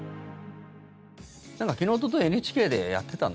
なんか昨日、おとといＮＨＫでやっていたな。